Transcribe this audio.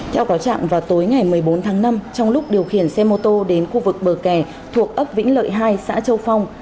theo cáo trạng vào tối ngày một mươi bốn tháng năm trong lúc điều khiển xe mô tô đến khu vực bờ kè thuộc ấp vĩnh lợi hai xã châu phong